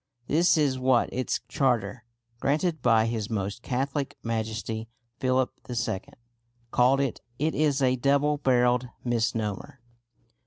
This is what its charter, granted by His Most Catholic Majesty Philip II., called it. It is a double barrelled misnomer.